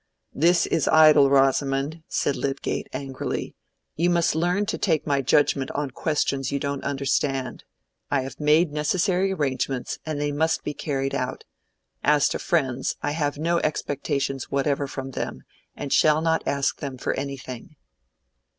"This is idle Rosamond," said Lydgate, angrily. "You must learn to take my judgment on questions you don't understand. I have made necessary arrangements, and they must be carried out. As to friends, I have no expectations whatever from them, and shall not ask them for anything."